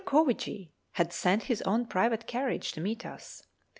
Cowajee had sent his own private carriage to meet us.